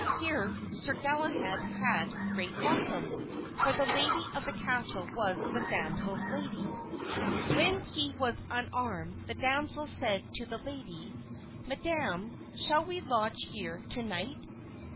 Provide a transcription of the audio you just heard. Here Sir Galahad had great welcome, for the lady of the castle was the damsel's lady. When he was unarmed the damsel said to the lady, "Madam, shall we lodge here to night?"